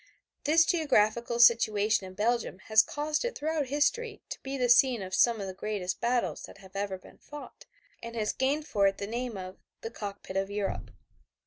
This geographical situation of Belgium has caused it throughout history to be the scene of some of the greatest battles that have ever been fought, and has gained for it the name of "the cockpit of Europe."